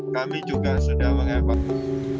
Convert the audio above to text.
kami juga sudah mengembangkan